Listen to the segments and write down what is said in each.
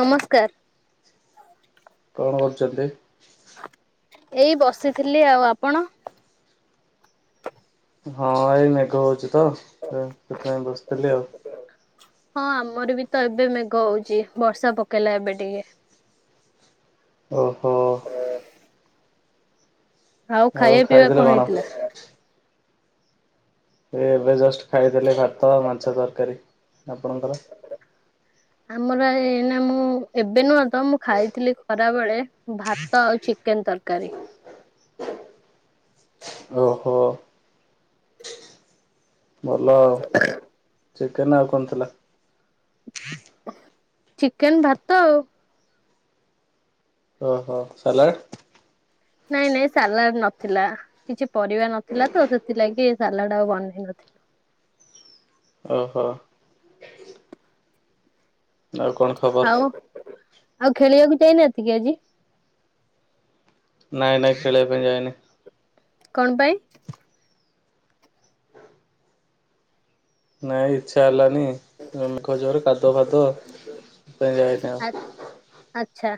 ନମସ୍କାର। କଣ କରୁଚନ୍ତି? ଏଇ ବସିଥିଲି ଆଉ ଆପଣ? ହଁ ଏଇ ମେଘ ହଉଛିତ ସେଥିପାଇଁ ବସିଥିଲି ଆଉ। ହଁ ଆମରବିତ ଏବେ ମେଘ ହଉଚି ବର୍ଷା ପକେଇଲା ଏବେ ଟିକେ। ଓହୋ। ଆଉ ଖାଇବା ପିଇବା କଣ ହେଇଥିଲା? ଏ ଏବେ ଜଷ୍ଟ ଖାଇଥିଲେ ଭାତ ମାଛ ତରକାରୀ ଆପଣଙ୍କର? ଆମର ଏଇନା ମୁଁ ଏବେ ନୁହଁ ତ ମୁଁ ଖାଇଥିଲି ଖରାବେଳେ ଭା ଭାତ ଆଉ ଚିକେନ ତରକାରୀ। ଓହୋ ଭଲ ଆଉ ଚିକେନ ଆଉ କଣ ଥିଲା? ଚିକେନ ଭାତ ଆଉ ଓହୋ ସାଲାଡ଼। ନାଇଁ ନାଇଁ ସାଲାଡ ନଥିଲା କିଛି ପରିବା ନଥିଲା ତ ସେଥିଲାଗି ସାଲାଡ ଆଉ ବନେଇ ନଥିଲେ। ଓହୋ। ଆଉ କଣ ଖବର ହଉ ଆଉ ଖେଳିବାକୁ ଯାଇନାହାନ୍ତିକି ଆଜି? ନାଇଁ ନାଇଁ ଖେଳିବା ପାଇଁ ଯାଇନି। କଣ ପାଇଁ? ନାଇଁ ଇଚ୍ଛା ହେଲାନି ଜମିଖଜୋରେ କାଦୁଅ ଫାଦୁଅ ସେଥିପାଇଁ ଯାଏନି ଆଉ ଆଚ୍ଛା।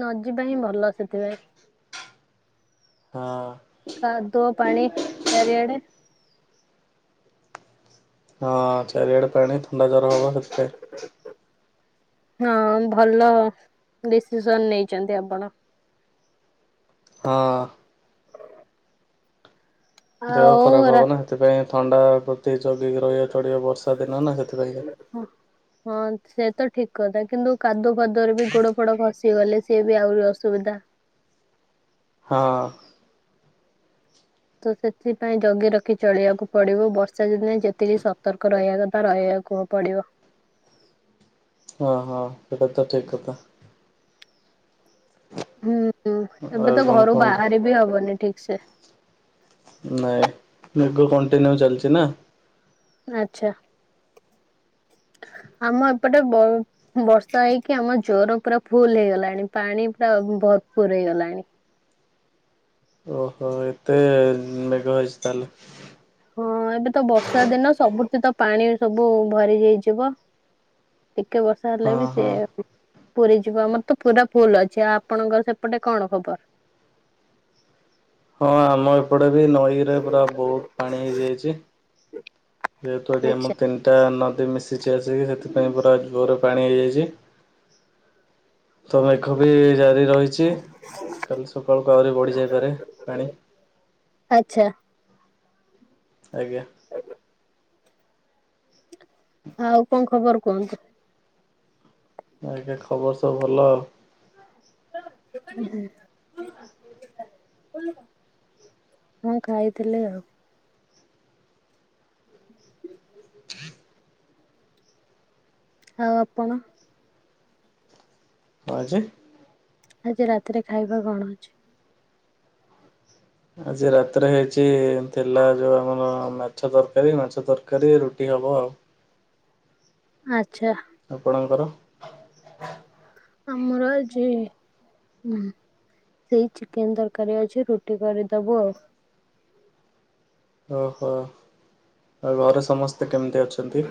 ନ ଯିବା ହିଁ ଭଲ ସେଥିପାଇଁ। ହଁ। କାଦୁଅ ପାଣି ଚାରିଆଡେ। ହଁ ଚାରିଆଡେ ପାଣି ଥଣ୍ଡା ଜ୍ୱର ହବ ସେଥିପାଇଁ। ହଁ ଭଲ ଡିସିସନ ନେଇଛନ୍ତି ଆପଣ। ହଁ। ଦେହ ଆଉ ଖରାପ ରା ହବ ନା ସେଥିପାଇଁ ଥଣ୍ଡା ପ୍ରତି ଜଗିକି ରହିବ ଚଳିବ ବର୍ଷା ଦିନ ନା ସେଥିପାଇଁକା। ହଁ। ହଁ ସେ ତ ଠିକ କଥା କିନ୍ତୁ କାଦୁଅ ପାଦୁଅରେ ବି ଗୋଡ ଫୋଡ ଖସିିଗଲେ ସିଏ ବି ଆହୁରି ଅସୁବିଧା। ହଁ। ତ ସେଥିପାଇଁ ଜଗି ରଖି ଚଳିବାକୁ ପଡିବ ବର୍ଷା ଦିନେ ଯେତିକି ସତର୍କ ରହିବା କଥା ରହିବାକୁ କୁ ପଡିବ। ହଁ ହଁ ସେଇଟା ତ ଠିକ କଥା। ହୁଁ ଏବେ ଆଉ ତ କଣ ଘରୁ କୁହନ୍ତୁ ବାହାର ବି ହବନି ଠିକ ସେ। ନାଇଁ ମେଘ କଣ୍ଟିନ୍ୟୁ ଚାଲିଛି ନା। ଆଛା ଆମ ଏପଟେ ବ ବର୍ଷା ହେଇକି ଆମ ଜୋର୍ ପୁରା ଫୁଲ ହେଇଗଲାଣି ପାଣି ପୁରା ଭରପୁୁର ହେଇଗଲାଣି। ଓହୋ ଏତେ ମେଘ ହେଇଛି ତାହେଲେ ହଁ ଏବେ ତ ବର୍ଷା ଦିନ ସବୁଥି ତ ପାଣି ସବୁ ଭରି ହୋଇଯିବ। ଟିକେ ବର୍ଷ ତାହଲେ ହଁ ବି ସେ ହଁ ପୁରି ଯିବ ଆମର ତ ପୁରା ଭୁଲ ଅଛି ଆଉ ଆପଣଙ୍କର ସେପଟେ କଣ ଖବର? ହଁ ଆମ ଏପଟେ ବି ନଈରେ ପୁରା ବହୁତ ପାଣି ହେଇଯାଇଛି। ଯେହେତୁ ଏଠି ଆମ ଆଚ୍ଛା। ତିନିଟା ନଦୀ ମିଶିଛି ଆସିକି ସେଥିପାଇଁ ପୁରା ଜୋରେ ପାଣି ହେଇଯାଇଛି। ତ ମେଘ ବି ଜାରି ରହିଛି କାଲି ସକାଳକୁ ଆହୁରି ବଢ଼ିଯାଇପାରେ ପାଣି। ଆଛା। ଆଜ୍ଞା। ଆଉ କଣ ଖବର କୁହନ୍ତୁ? ଆଜ୍ଞା ଖବର ସବୁ ଭଲ ଆଉ [inaudible] ହଁ ଖାଇଥିଲେ ଆଉ ଆଉ ଆପଣ? ହଁ ଯେ ଆଜି ରାତିରେ ଖାଇବା କଣ ଅଛି? ଆଜି ରାତିରେ ହେଇଛି ଥିଲା ଯୋଉ ଆମର ମାଛ ତରକାରୀ ମାଛ ତରକାରୀ ରୁଟି ହବ ଆଉ ଆଛା। ଆପଣଙ୍କର? ଆମର ଆଜି ନା। ସେଇ ଚିକେନ ତରକାରୀ ଅଛି ରୁଟି କରିଦେବୁ ଆଉ। ଓହୋ ଆଉ ଘରେ ସମସ୍ତେ କେମିତି ଅଛନ୍ତି।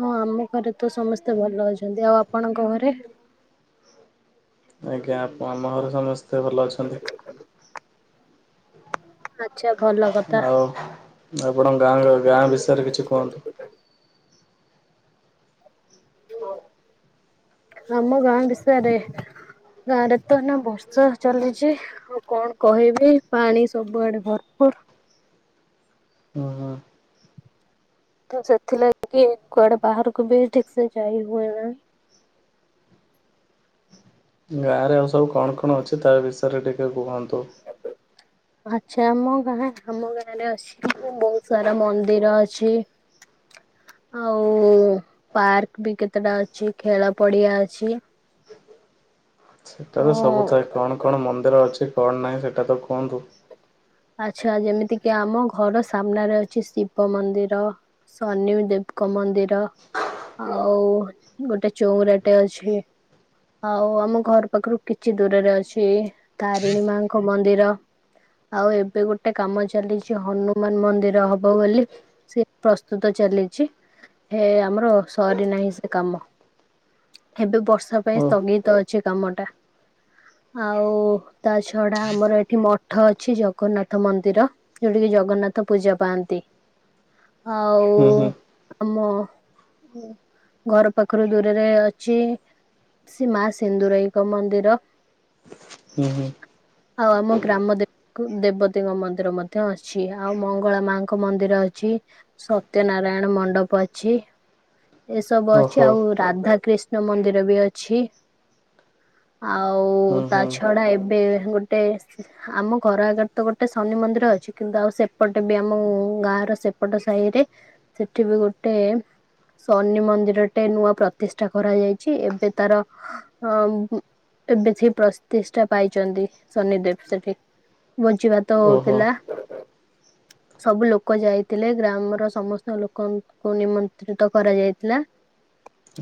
ହଁ ଆମ ଘରେ ତ ସମସ୍ତେ ଭଲ ଅଛନ୍ତି ଆଉ ଆପଣଙ୍କ ଘରେ। ଆଜ୍ଞା ଆପ ଆମ ଘରେ ସମସ୍ତେ ଭଲ ଅଛନ୍ତି। ଆଚ୍ଛା ଭଲ କଥା ଆଉ ଆପଣ ଗାଁ ଗାଁ ବିଷୟରେ କିଛି କୁହନ୍ତୁ। ଆମ ଗାଁ ବିଷୟରେ ଗାଁ ରେ ତ ଏନା ବର୍ଷା ଚାଲିଛି। ଆଉ କଣ କହିବି ପାଣି ସବୁଆଡେ ଭରପୁରୁ। ହୁଁ ହୁଁ ତ ସେଥିଲାଗି କୁଆଡେ ବାହାରକୁ ବି ଠିକ ସେ ଯାଇ ହୁଏ ନା। ଗାଁ ରେ ଆଉ ସବୁ କଣ କଣ ଅଛି ତା ବିଷୟରେ ଟିକେ କୁହନ୍ତୁ। ଆଛା ଆମ ଗାଁ ଆମ ଗାଁରେ ଅସି ବହୁତ ସାରା ମନ୍ଦିର ଅଛି ଆଉ ପାର୍କ ବି କେତେଟା ଅଛି ଖେଳ ପଡିଆ ଅଛି। ସେଇଟା ତ ହଁ ସବୁ ଥାଏ କଣ କଣ ମନ୍ଦିର ଅଛି କଣ ନାହିଁ ସେଇଟା ତ କୁହନ୍ତୁ। ଆଚ୍ଛା ଯେମିତିକି ଆମ ଘର ସାମ୍ନାରେ ଅଛି ଶିବ ମନ୍ଦିର। ଶନି ଦେବଙ୍କ ମନ୍ଦିର। ଆଉ ଗୋଟେ ଚଉରାଟେ ଅଛି। ଆଉ ଆମ ଘର ପାଖରୁ କିଛି ଦୂରରେ ଅଛି ତାରିଣୀ ମାଙ୍କ ମନ୍ଦିର। ଆଉ ଏବେ ଗୋଟେ କାମ ଚାଲିଛି ହନୁମାନ ମନ୍ଦିର ହବ ବୋଲି। ସେ ପ୍ରସ୍ତୁତ ଚାଲିଛି ହେ ଆମର ସରି ନାହିଁ ସେ କାମ। ଏବେ ବର୍ଷା ଓ ପାଇଁ ସ୍ଥଗିତ ଅଛି କାମଟା। ଆଉ ତା ଛଡା ଆମର ଏଠି ମଠ ଅ ଛି ଜଗନ୍ନାଥ ମନ୍ଦିର ଯୋଉଠା କିି ଜଗନ୍ନାଥ ପୂଜା ପାଆନ୍ତି। ହୁଁ ଆଉ ହୁଁ ଆମ ଘର ପାଖରୁ ଦୂରରେ ଅଛି। ସେ ମା ସିନ୍ଦୁରାଇଙ୍କ ମନ୍ଦିର। ହୁଁ ହୁଁ ଆଉ ଆମ ଗ୍ରାମ ଦେ କୁ ଦେବତୀଙ୍କ ମନ୍ଦିର ମଧ୍ୟ ଅଛି। ଆଉ ମଙ୍ଗଳା ମାଙ୍କ ମନ୍ଦିର ଅଛି। ସତ୍ୟ ନାରାୟଣ ମଣ୍ଡପ ଅଛି। ଏସବୁ ଅଛି। ଓହୋ ଆଉ ରାଧା କୃିଷ୍ଣ ମନ୍ଦିର ବି ଅଛି। ଆଉ ହୁଁ ତା ହୁଁ ଛଡା ଏବେ ଗୋଟେ ଆମ ଘର ଆଗରେ ଗୋଟେ ଶନି ମନ୍ଦିର ଅଛି। କିନ୍ତୁ ଆଉ ସେପଟ ବି ଆମ ଗାଁ ର ସେପଟ ସାହି ରେ ସେଠି ବି ଗୋଟେ ଶନି ମନ୍ଦିର ଟେ ନୂଆ ପ୍ରତିଷ୍ଠା କରାଯାଇଛି। ଏବେ ତାର ଅ ଏବେ ସେ ପ୍ରତିଷ୍ଠା ପାଇଛନ୍ତି ଶନିଦେବ ସେଠି। ଭୋଜିଭାତ ଓହୋ। ହଉଥିଲା। ସବୁ ଲୋକ ଯାଇଥିଲେ। ଗ୍ରାମର ସମସ୍ତ ଲୋକଙ୍କୁ ନିମନ୍ତ୍ରିତ କରାଯାଇଥିଲା।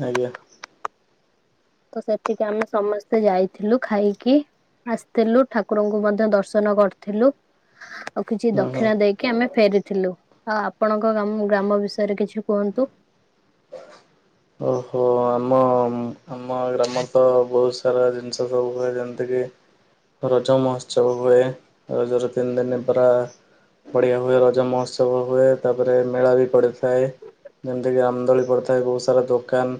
ଆଜ୍ଞା। ତ ସେଠିକି ଆମେ ସମସ୍ତେ ଯାଇଥିଲୁ ଖାଇକି ଆସିଥିଲୁ। ଠାକୁରଙ୍କୁ ମଧ୍ୟ ଦର୍ଶନ କରିଥିଲୁ। ଆଉ କିଛି ହଁ ହଁ। ଦକ୍ଷିଣା ଦେଇକି ଆମେ ଫେରିଥିଲୁ। ଆଉ ଆପଣଙ୍କ ଗାମ ଗ୍ରାମ ବିଷୟରେ କିଛି କୁହନ୍ତୁ? ଓହୋ। ଆମ ଆମ ଗ୍ରାମ ରେ ତ ବହୁତ ସାରା ଜିନିଷ ସବୁ ହୁଏ। ଯେମିତି କିି ରଜ ମହୋତ୍ସବ ହୁଏ। ରଜ ର ତିନି ଦିନ ପୁରା ବଢ଼ିଆ ହୁଏ। ରଜ ମହୋତ୍ସବ ହୁଏ। ତା ପରେ ମେଳା ବି ପଡିଥାଏ। ଯେମିତିକି ରାମ ଦୋଳି ପଡିଥାଏ। ବହୁତ ସାରା ଦୋ କାନ।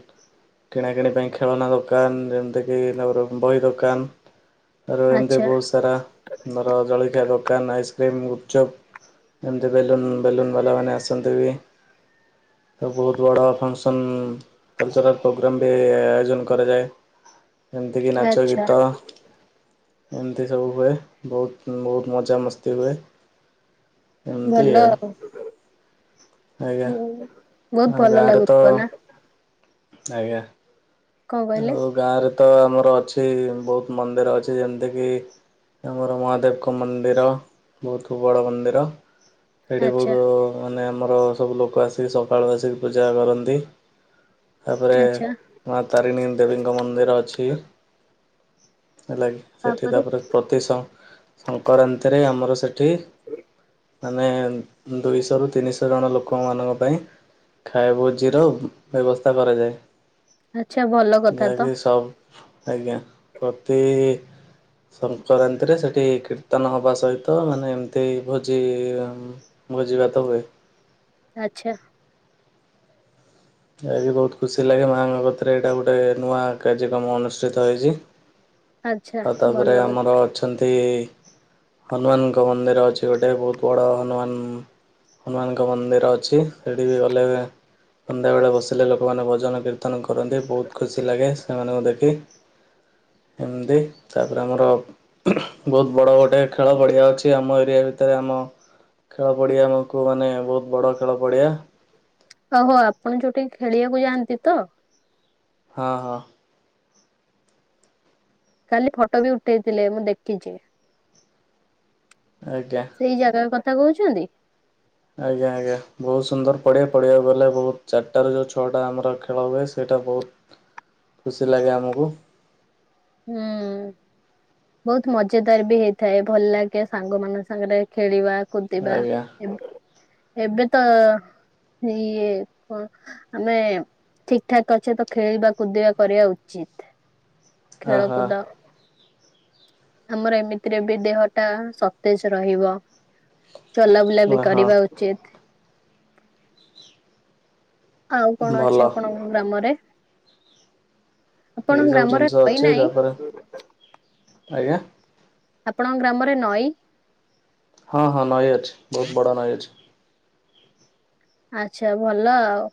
କିଣାକିଣି ପାଇଁ ଖେଳନା ଦୋକାନ। ଯେମିତିକି ତା ପରେ ବହି ଦୋକାନ। ତାପରେ ଏମିତି ଆଚ୍ଛା ବହୁତ ସାରା ଧର ଜଳଖିଆ ଦୋକାନ ଆଇସ୍କ୍ରିମ ଗୁପଚୁପ୍ ଏମିତି ବେଲୁନ୍ ବେଲୁନ୍ ବାଲାମାନେ ଆସନ୍ତି ବି। ଆଉ ବହୁତ ବଡ଼ ଫଙ୍କସନ୍ କଲଚରାଲ୍ ପ୍ରୋଗ୍ରମ୍ ବି ଆୟୋଜନ କରାଯାଏ। ଏମିତି କି ନାଚ ଆଚ୍ଛା ଗୀତ। ଏମିତି ସବୁ ହୁଏ। ବହୁତ ବହୁତ ମଜା ମସ୍ତି ହୁଏ। ଭଲ ଆଉ। ଆଜ୍ଞା ବହୁତ ଆଉ ଭଲ ଗାଁରେ ତ ଲାଗୁଥିବ ନା। ଆଜ୍ଞା। କଣ କହିଲେ? ଆଉ ଗାଁରେ ତ ଆମର ଅଛି ବହୁତ ମନ୍ଦିର ଅଛି। ଯେମିତି କିି ଆମର ମହାଦେବଙ୍କ ମନ୍ଦିର ବହୁତ ବଡ଼ ମନ୍ଦିର। ଏଇଠି ଆଚ୍ଛା ବହୁତ ମାନେ ଆମର ସବୁ ଲୋକ ଆସିକି ସକାଳୁ ଆସିକି ପୂଜା କରନ୍ତି। ତାପରେ ଆଚ୍ଛା ମା ତାରିଣୀ ଦେବୀଙ୍କ ମନ୍ଦିର ଅଛି। ହେଲାକି ସେଠି ତାପରେ ପ୍ରତି ସକ୍ ସଙ୍କରାନ୍ତିରେ ଆମର ସେଠି ମାନେ ଦୁଇଶହରୁ ତିନିଶହ ଜଣ ଲୋକମାନଙ୍କ ପାଇଁ ଖାଏ ଭୋଜିର ବ୍ୟବସ୍ଥା କରାଯାଏ। ଆଚ୍ଛା ଭଲ୍‌ ଯାହାକି ସବ୍ ଆଜ୍ଞା। ପ୍ରତି ସଙ୍କରାନ୍ତିରେ ସେଇଠି କୀର୍ତ୍ତନ ହବା ସହିତ ମାନେ ଏମିତି ଭୋଜି ଭୋଜି ଭାତ ହୁଏ। ଆଚ୍ଛା। ଆଜି ବହୁତ୍ ଖୁସି ଲାଗେ ମାଆଙ୍କ କତିରେ ଏଇଟା ଗୋଟେ ନୂଆ କାର୍ଯ୍ୟକ୍ରମ ଅନୁଷ୍ଠିତ ହେଇଚି। ଆଛା ଭଲ କଥା। ଛନ୍ତି ହନୁମାନଙ୍କ ମନ୍ଦିର ଅଛି ଗୋଟେ ବହୁତ ବଡ଼ ହନୁମାନ ହନୁମାନଙ୍କ ମନ୍ଦିର ଅଛି। ହେଠିକି ଗଲେ ସନ୍ଧ୍ୟାବେଳେ ବସିଲେ ଲୋକମାନେ ଭଜନ କୀର୍ତ୍ତନ କରନ୍ତି। ବହୁତ ଖୁସି ଲାଗେ ସେମାନଙ୍କୁ ଦେଖି। ଏମ୍ଦି ତା ପରେ ଆମର ବହୁତ ବଡ଼ ଗୋଟେ ଖେଳ ପଡ଼ିଆ ଅଛି ଆମ ଏରିଆ ଭିତେରେ ଆମ ଖେଳପଡ଼ିଆ ଆମକୁ ମାନେ ବହୁତ ବଡ଼ ଖେଳ ପଡ଼ିଆ। ଓହୋ ଆପଣ ଯୋଉଠିକି ଖେଳିବାକୁ ଯାଆନ୍ତି ତ। ହଁ ହଁ। କାଲି ଫଟୋ ବି ଉଠେଇଥିଲେ ମୁଁ ଦେଖିଚି। ଆଇଟା। ସେଇ ଜାଗା କଥା କହୁଛନ୍ତି। ଆଜ୍ଞା ଆଜ୍ଞା ବହୁତ ସୁନ୍ଦର ପଡିଆ ପଡିଆକୁ ଗଲେ ବହୁତ ଚାରିଟାରୁ ଯାଉ ଛଅଟା ଆମର ଖେଳ ହୁଏ ସେଇଟା ବହୁତ୍ ଖୁସି ଲାଗେ ଆମୁକୁ। ହୁଁ। ବହୁତ ମଜାଦାର ବି ହେଇଥାଏ ଭଲ ଲାଗେ ସାଙ୍ଗ ମାନଙ୍କ ସାଙ୍ଗରେ ଖେଳିବା। କୁନ୍ତିବା ଆଜ୍ଞା ଏବ୍ ଏବେ ତ ଇଏ ଙ୍କ ଆମେ ଠିକ ଠାକ୍ ଅଛେ ତ ଖେଳେଇବା କୁଦେଇବା କରିବା ଉଚିତ୍‌। ଅ ଖେଳକୁଦ ହଁ ଆମର ଏମିତିରେ ବି ଦେହ ଟା ସତେଜ ରହିବ। ଚଲାବୁଲା ବି ହଁ କରିବା ଉଚିତ୍‌। ଆଉ କଣ ଭଲ ଅଛି ଆପଣଙ୍କ ଗ୍ରାମରେ? ଏଇ ଆପଣଙ୍କ ସବୁ ଗ୍ରାମରେ ଜିନିଷ ନଈ ଅଛି ନାହିଁ ତାପରେ ଆଜ୍ଞା ଆପଣଙ୍କ ଗ୍ରାମରେ ନଈ ହଁ ହଁ ନଈ ଅଛି ବହୁତ ବଡ଼ ନଈ ଅଛି। ଆଚଛା ଭଲ ଆଉ।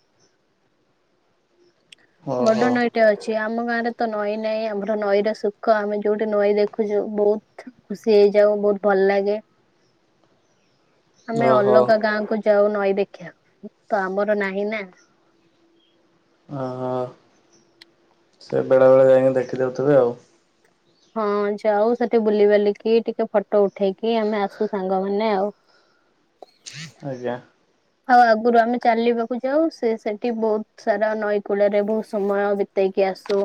ଓହୋ ବଡ଼ ନଈ ଟେ ଅଛି ଆମ ଗାଁରେ ତ ନଈ ନାଇଁ ଆମର ନଈର ସୁଖ ଆମେ ଯୋଉଠି ନଈ ଦେଖୁଚୁ ବହୁତ୍‌ ଖୁସି ହେଇଯାଉ ବହୁତ ଭଲ ଲାଗେ। ଆମେ ଓହୋ ଅଲଗା ଗାଁ କୁ ଯାଉ ନଈ ଦେଖିବାକୁ ତ ଆମର ନାହିଁ ନା। ଓ ହ। ସେ ବେଳେବେଳେ ଯାଇ କି ଦେଖି ଦେଉଥିବେ ଆଉ। ହଁ ଯାଉ ସେଠି ବୁଲିବାଲିକି ଟିକେ ଫଟୋ ଉଠେଇକି ଆମେ ଆସୁ ସାଙ୍ଗମାନେ ଆଉ। ଆଜ୍ଞା। ଆଉ ଆଗରୁ ଆମେ ଚାଲିବାକୁ ଯାଉ ସେ ସେଠି ବହୁତ ସାରା ନଈକୂଳରେ ବହୁତ ସମୟ ବି ତେଇକି ଆସୁ।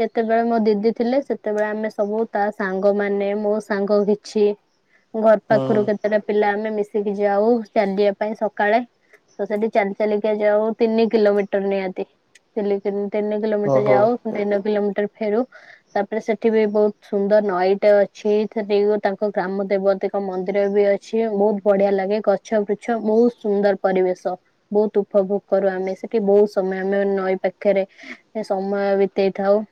ଯେତେବେଳେ ମୋ ଦିଦି ଥିଲେ ସେତେବେଳେ ଆମେ ସବୁ ତା ସାଙ୍ଗ ମାନେ ମୋ ସାଙ୍ଗ କିଛି। ଘର ହୁଁ ପାଖରୁ କେତେଟା ପିଲା ଆମେ ମିଶିକି ଯାଉ ଚାଲିବା ପାଇଁ ସକାଳେ। ତ ସବୁ ଚାଲି ଚାଲିିକା ଯାଉ ତିନି କିିଲୋମିଟର ନିହାତି। ତିନି ତିନ୍ ତିନି କିଲୋମିଟର ଓହୋ ଯାଉ ପୁଣି ତିନି କିଲୋମିଟର ଫେରୁ। ତାପରେ ସେଠି ବି ବହୁତ ସୁନ୍ଦର ନଈଟେ ଅଛି ସେଠି ତାଙ୍କ ଗ୍ରାମ ଦେବତୀ ଙ୍କ ମନ୍ଦିର ବି ଅଛି। ଅଛି ବହୁତ ବଢିଆ ଲାଗେ ଗଛ ବୃଛ ବହୁତ ସୁନ୍ଦର ପରିବେଶ। ବହୁତ ଉପଭୋଗ କରୁ ଆମେ ସେଠି ବହୁତ ସମୟ ଆମେ ନଈ ପାଖରେ। ଆମେ ସମୟ ବିତେଇଥାଉ।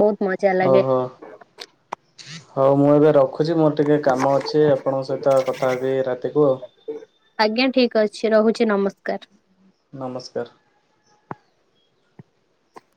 ବହୁତ ମଜା। ଲାଗେ ଓହୋ ହଉ ମୁଁ ଏବେ ରଖ ରଖୁଛି ମୋର ଟିକେ କାମ ଅଛି ଆପଣଙ୍କ ସହିତ କଥା ହେବି ରାତିକୁ ଆଉ। ଆଜ୍ଞା ଠିକ ଅଛି ରହୁଛି ନମସ୍କାର। ନମସ୍କାର।